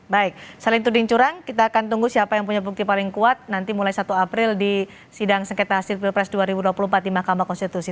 baik selain tuding curang kita akan tunggu siapa yang punya bukti paling kuat nanti mulai satu april di sidang sengketa hasil pilpres dua ribu dua puluh empat di mahkamah konstitusi